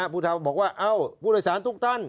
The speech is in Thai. ผู้ทำบอกว่าผู้โดยสารทุกตั้น